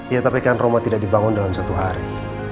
ya tapi kan rumah tidak dibangun dalam satu hari